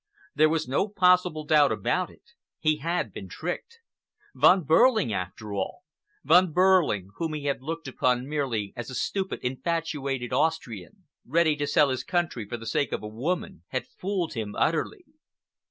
There was no possible doubt about it, he had been tricked. Von Behrling, after all,—Von Behrling, whom he had looked upon merely as a stupid, infatuated Austrian, ready to sell his country for the sake of a woman, had fooled him utterly!